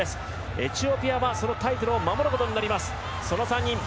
エチオピアは、そのタイトルを守ることになります。